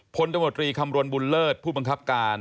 ตมตรีคำรณบุญเลิศผู้บังคับการ